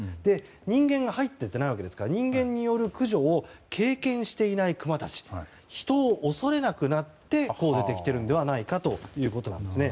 人間が入っていないわけですから人間による駆除を経験していないクマたち人を恐れなくなって出てきているのではないかということなんですね。